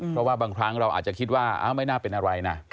เพราะว่าบางครั้งเราอาจจะคิดว่าไม่น่าเป็นอะไรนะ